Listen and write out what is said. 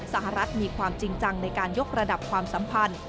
สหรัฐมีความจริงจังในการยกระดับความสัมพันธ์